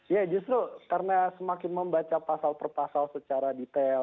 ya justru karena semakin membaca pasal per pasal secara detail